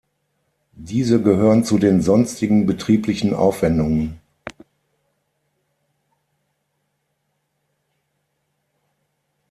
Diese gehören zu den sonstigen betrieblichen Aufwendungen.